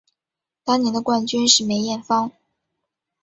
当年的冠军是梅艳芳。